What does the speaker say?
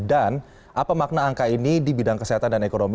dan apa makna angka ini di bidang kesehatan dan ekonomi